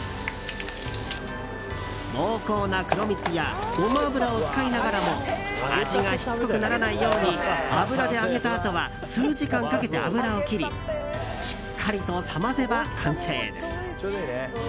濃厚な黒蜜やゴマ油を使いながらも味がしつこくならないように油で揚げたあとは数時間かけて油を切りしっかりと冷ませば完成です。